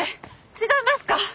違いますか？